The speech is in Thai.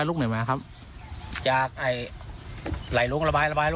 เพราะมันคือรายได้หาเลี้ยงครอบครัวของ๒๐ครอบครัวแล้วนะครับ